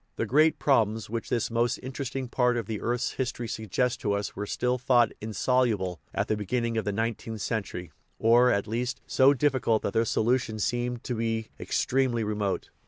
The great problems which this most interesting part of the earth's history suggests to us were still thought insoluble at the beginning of the nineteenth cen tury, or, at least, so difficult hat their solution seemed to be extremely remote.